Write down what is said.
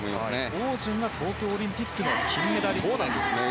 オウ・ジュンが東京オリンピックの金メダリストですね。